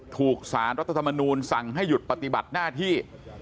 ถูกสารรัฐธรรมนูลสั่งให้หยุดปฏิบัติหน้าที่